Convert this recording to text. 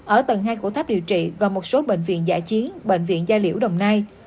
ở tầng hai của tháp điều trị và một số bệnh viện giả chiến bệnh viện gia liễu đồng nai